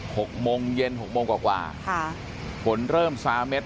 หกโมงเย็นหกโมงกว่ากว่าค่ะฝนเริ่มซาเม็ด